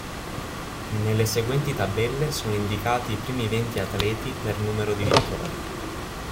Nelle seguenti tabelle sono indicati i primi venti atleti per numero di vittorie.